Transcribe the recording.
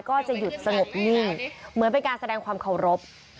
ก็จะหยุดสงบนิ่งเหมือนเป็นการแสดงความเคารพ